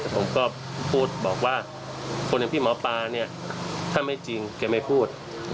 ผมก็บอกว่าคนอย่างพี่หมอปลาถ้าไม่จริงเขาไม่พูด